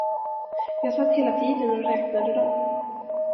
Jag satt hela tiden och räknade dom.